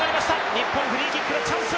日本、フリーキックのチャンス。